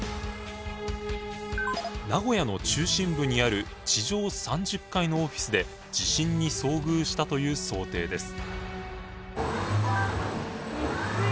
名古屋の中心部にある地上３０階のオフィスで地震に遭遇したという想定です。